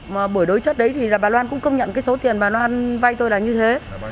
mà bữa đối chất đấy thì bà loan cũng công nhận cái số tiền bà loan vây tôi là như thế